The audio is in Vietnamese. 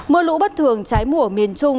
mưa lũ bất thường trái mùa miền trung